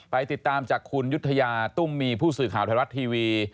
ไปติดตามจากคุณยุธยาตุ้มมีผู้สื่อข่าวไทยรัฐทีวี